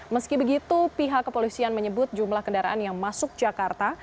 meski begitu pihak kepolisian menyebut jumlah kendaraan yang masuk jakarta